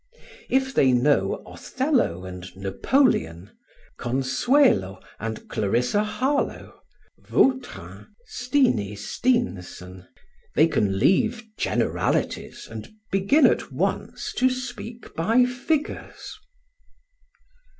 If they know Othello and Napoleon, Consuelo and Clarissa Harlowe, Vautrin and Steenie Steenson, they can leave generalities and begin at once to speak by figures.